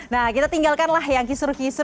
nah kita tinggalkanlah yang kisur kisur